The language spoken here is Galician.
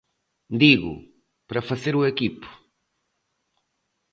Digo, para facer o equipo.